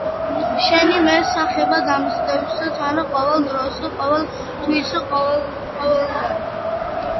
შენი მე სახება დამსდევს თან ყოველ დროს ყოველ თვის ყოველ გან